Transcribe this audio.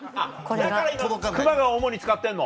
だから今クマが主に使ってんの。